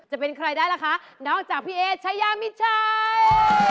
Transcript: จะเป็นใครได้ล่ะคะนอกจากพี่เอชายามิดชัย